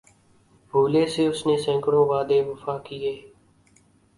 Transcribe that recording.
بھولے سے اس نے سیکڑوں وعدے وفا کیے